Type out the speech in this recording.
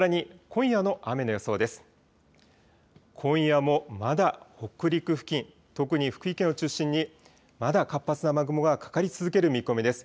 今夜もまだ北陸付近、特に福井県を中心にまだ活発な雨雲がかかり続ける見込みです。